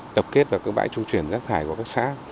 tập kết và cơ bãi trung truyền rác thải của các xã